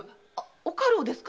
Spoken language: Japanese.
おかるをですか？